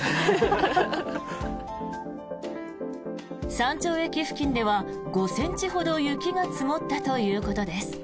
山頂駅付近では５ｃｍほど雪が降ったということです。